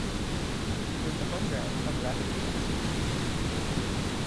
It was the home ground of Rapid Vienna.